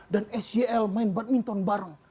dan sgl main badminton bareng